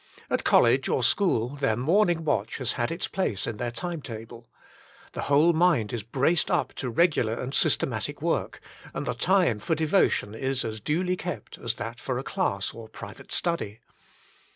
At college or school their morning watch has had its place in their time table. The whole mind is braced up to regular and systematic work, and the time for devotion is as duly kept as that for a class or private study.